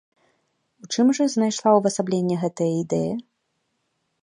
У чым жа знайшла ўвасабленне гэтая ідэя?